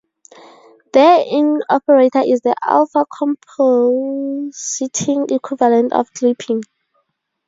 The in operator is the alpha compositing equivalent of clipping.